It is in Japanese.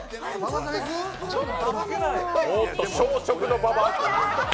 おっと、小食の馬場。